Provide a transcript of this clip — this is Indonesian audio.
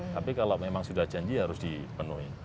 tapi kalau memang sudah janji harus dipenuhi